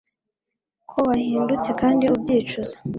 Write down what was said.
ko wahindutse kandi ubyicuza